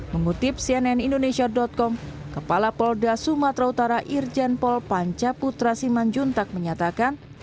mengutip cnn indonesia com kepala polda sumatera utara irjen pol panca putra simanjuntak menyatakan